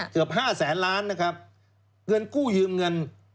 เกือบห้าแสนล้านนะครับเงินกู้ยืมเงิน